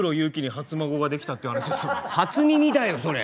初耳だよそれ！